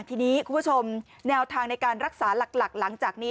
ทีนี้คุณผู้ชมแนวทางในการรักษาหลักหลังจากนี้